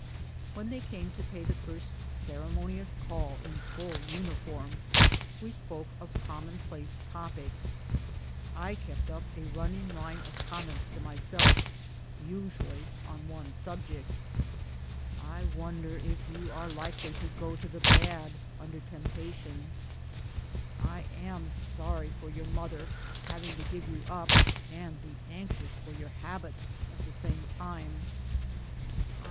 When they came to pay the first ceremonious call in full uni form, we spoke of commonplace topics. I kept up a running line of comments to myself, usually on one sub ject :" I wonder if you are likely to go to the bad under temptation ; I am sorry for your mother, having to give you up and be anxious for your habits at the same time ; GARRISON AMUSEMENTS.